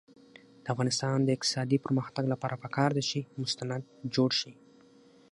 د افغانستان د اقتصادي پرمختګ لپاره پکار ده چې مستند جوړ شي.